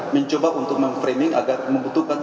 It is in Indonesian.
mencoba untuk memframing agar membutuhkan